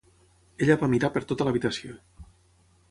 Ella va mirar per tota l"habitació.